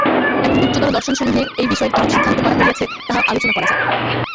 এখন উচ্চতর দর্শনসমূহে এই বিষয়ের কিরূপ সিদ্ধান্ত করা হইয়াছে, তাহা আলোচনা করা যাক।